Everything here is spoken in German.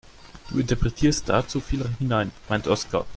Du interpretierst da zu viel hinein, meint Oskar.